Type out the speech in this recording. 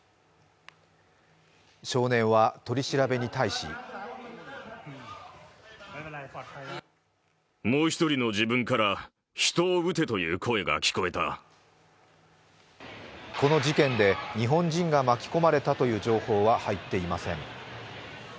少年は取り調べに対しこの事件で日本人が巻き込まれたという情報は入っていません。